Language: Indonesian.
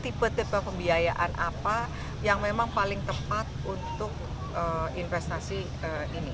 tipe tipe pembiayaan apa yang memang paling tepat untuk investasi ini